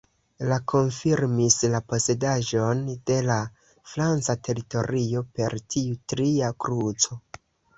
Li konfirmis la posedaĵon de la franca teritorio per tiu tria kruco.